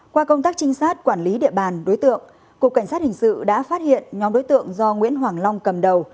qua công tác trinh sát quản lý địa bàn đối tượng cục cảnh sát hình sự đã phát hiện nhóm đối tượng do nguyễn hoàng long cầm đầu